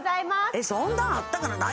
「えっそんなんあったかな何？